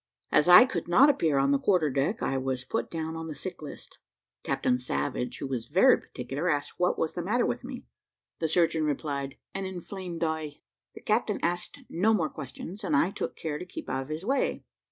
As I could not appear on the quarter deck, I was put down on the sick list. Captain Savage, who was very particular, asked what was the matter with me. The surgeon replied, "An inflamed eye." The captain asked no more questions; and I took care to keep out of his way.